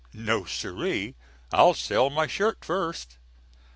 No, sir ee; I'll sell my shirt first!!"